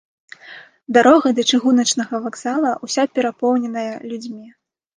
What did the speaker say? Дарога да чыгуначнага вакзала ўся перапоўненая людзьмі.